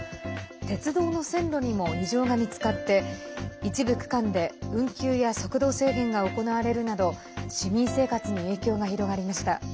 鉄道の線路にも異常が見つかって一部区間で運休や速度制限が行われるなど市民生活に影響が広がりました。